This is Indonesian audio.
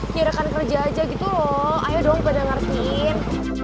nyerekan kerja aja gitu loh ayo dong pada ngertiin